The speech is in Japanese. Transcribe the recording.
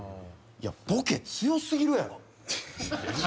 いやボケ強過ぎるやろ。